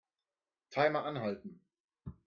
Timer anhalten.